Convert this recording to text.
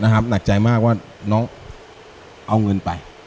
หนักใจมากว่าน้องเอาเงินไป